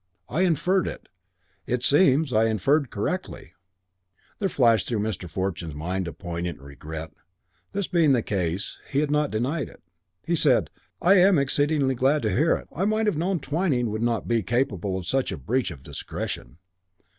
I inferred it. It seems I inferred correctly." There flashed through Mr. Fortune's mind a poignant regret that, this being the case, he had not denied it. He said, "I am exceedingly glad to hear it. I might have known Twyning would not be capable of such a breach of discretion.